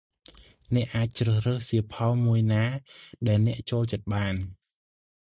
អ្នកអាចជ្រើសរើសសៀវភៅមួយណាដែលអ្នកចូលចិត្តបាន។